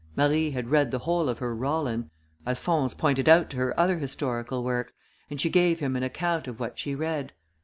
Marie had read the whole of her Rollin: Alphonse pointed out to her other historical works, and she gave him an account of what she read.